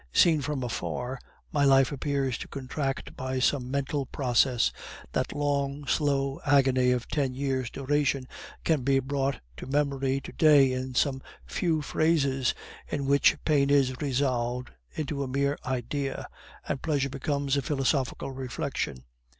Seen from afar, my life appears to contract by some mental process. That long, slow agony of ten years' duration can be brought to memory to day in some few phrases, in which pain is resolved into a mere idea, and pleasure becomes a philosophical reflection.